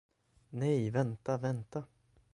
Nej, vänta, vänta!